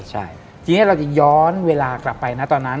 จริงเราจะย้อนเวลากลับไปนะตอนนั้น